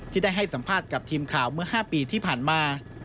ที่ได้ให้สัมภาษณ์กับทีมข่าวเมื่อ๕ปีที่ผ่านมา